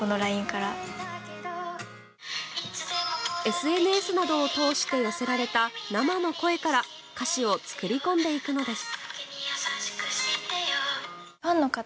ＳＮＳなどを通して寄せられた生の声から歌詞を作り込んでいくのです。